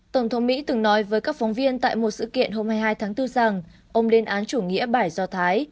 tổng thống mỹ từng nói với các phóng viên tại một sự kiện hôm hai mươi hai tháng bốn rằng ông lên án chủ nghĩa bài do thái